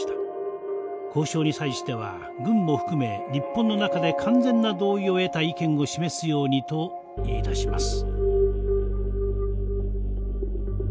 交渉に際しては軍も含め日本の中で完全な同意を得た意見を示すようにと言いだします。